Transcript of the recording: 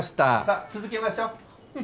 さあ続けましょ。